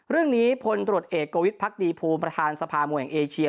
เรื่องนี้ผลตรวจเอกโกวิทธิ์พรรคดีภูมิประธานสภาโมแห่งเอเชีย